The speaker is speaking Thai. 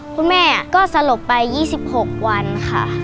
คุณแม่ก็สลบไป๒๖วันค่ะ